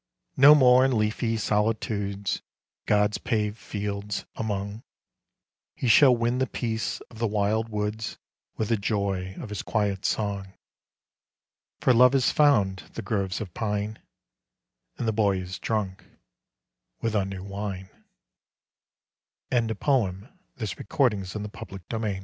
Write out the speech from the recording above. No more in leafy solitudes, God's paved fields among, He shall win the peace of the wild woods With the joy of his quiet song. For love has found the groves of pine, And the boy is drunk with a new wine. 40 ON A DEAD YOUTH THE boy drea